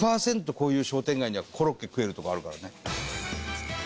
こういう商店街にはコロッケ食えるとこあるからね。